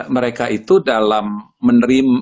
mereka itu dalam menerim